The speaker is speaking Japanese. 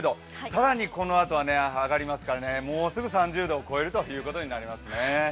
更にこのあとは上がりますからもうすぐ３０度を超えることになりますね。